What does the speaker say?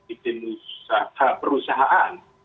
izin usaha perusahaan